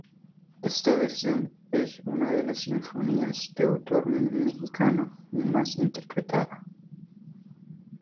Esta versión es una de las sinfonías de autor mexicano más interpretada.